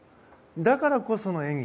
だからこその演技。